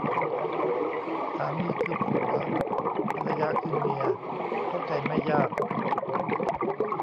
สามีคือผัว ภรรยาคือเมีย เข้าใจไม่ยาก